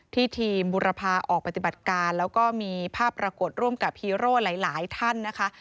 ทีมบุรพาออกปฏิบัติการแล้วก็มีภาพปรากฏร่วมกับฮีโร่หลายท่านนะคะ